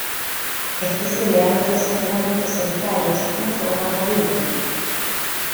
Especie de hábitos generalmente solitarios, no forma cardúmenes.